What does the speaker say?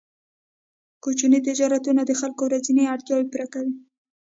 کوچني تجارتونه د خلکو ورځنۍ اړتیاوې پوره کوي.